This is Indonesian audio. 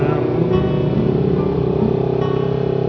kampus aku dimana